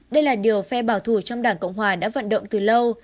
đây là điều phe bảo thủ trong đảng cộng hòa đã vận động từ lâu